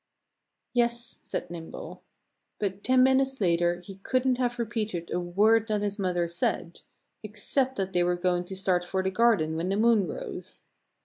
"Yes!" said Nimble. But ten minutes later he couldn't have repeated a word that his mother said except that they were going to start for the garden when the moon rose.